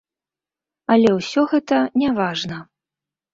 Але ўсе гэта не важна.